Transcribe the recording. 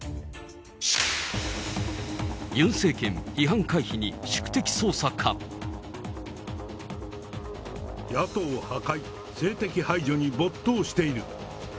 ユン政権、野党破壊、政敵排除に没頭している。